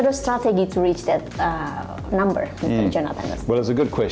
bagaimana strategi anda untuk mencapai target tersebut